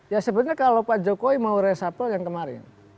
ya sebenarnya kalau pak jokowi mau resapel yang kemarin